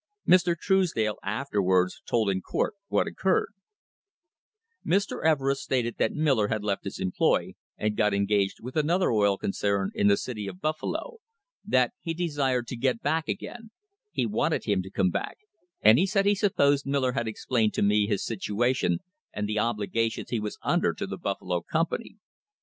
Mr. Truesdale afterwards told in court what occurred : "Mr. Everest stated that Miller had left his employ, and got engaged with another oil concern in the City of Buffalo; that he desired to get back again; he wanted him to come back; and he said he supposed Miller had explained to me his situation, and the obligations he was under to the Buffalo company.